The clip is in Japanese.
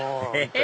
え？